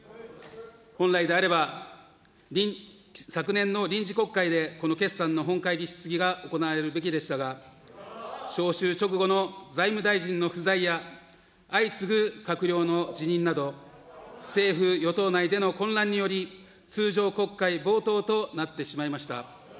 本来であれば、昨年の臨時国会で、この決算の本会議質疑が行われるべきでしたが、召集直後の財務大臣の不在や、相次ぐ閣僚の辞任など、政府・与党内での混乱により、通常国会冒頭となってしまいました。